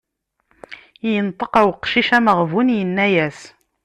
Yenṭeq ar uqcic ameɣbun yenna-as.